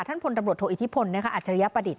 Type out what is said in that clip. ท่านผลดำรวจโถอิทธิพลนะคะอาจารยประดิษฐ์